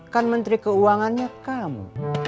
kan menteri keuangannya kamu